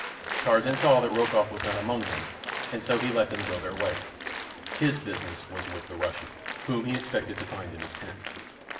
Tarzan saw that Rokoff was not among them, and so he let them go their way—his business was with the Russian, whom he expected to find in his tent.